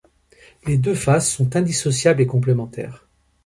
Les deux faces sont indissociables et complémentaires.